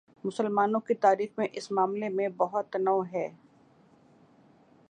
مسلمانوں کی تاریخ میں اس معاملے میں بہت تنوع ہے۔